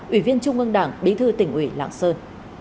ủy viên trung ương đảng bí thư tỉnh ủy lạng sơn